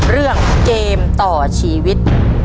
เรื่องเกมต่อชีวิต